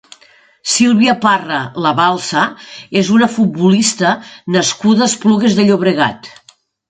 Silvia Parra Labalsa és una futbolista nascuda a Esplugues de Llobregat.